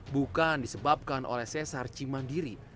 bukan disebabkan oleh sesar cimandiri